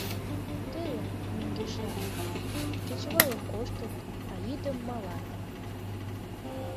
Телым — мӧҥгешла: кечывалым коштыт, а йӱдым малат.